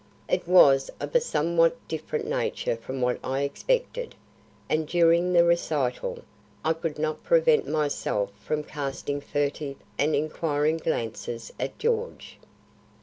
It was of a somewhat different nature from what I expected, and during the recital, I could not prevent myself from casting furtive and inquiring glances at George.